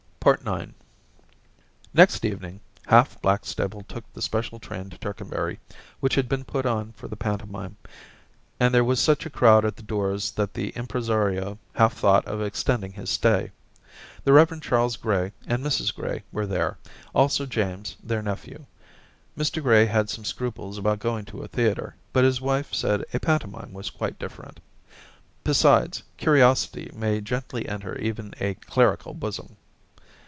IX Next evening half Blackstable took the special train to Tercanbury, which had been put on for the pantomime, and there was such a crowd at the doors that the im presario half thought of extending his stay. The Rev. Charles Gray and Mrs Gray were there, also James, their nephew* Mr Gray had some scruples about going to a theatre, but his wife said a pantomime was quite different ; besides, curiosity may gently enter even a clerical bosom.